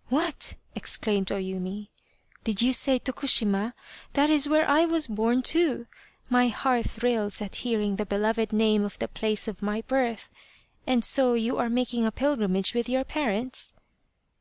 " What ?" exclaimed O Yumi. " Did you say Tokushima ? That is where I was born, too ! My heart thrills at hearing the beloved name of the place of my birth. And so you are making a pilgrimage with your parents